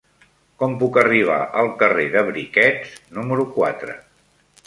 Com puc arribar al carrer de Briquets número quatre?